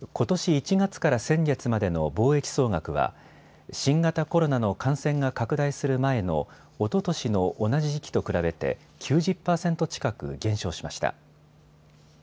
１月から先月までの貿易総額は新型コロナの感染が拡大する前のおととしの同じ時期と比べて９０％近く減少しました。